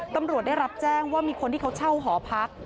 ตำรวจได้รับแจ้งว่ามีคนที่เขาเช่าหอพัก